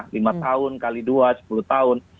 lima tahun kali dua sepuluh tahun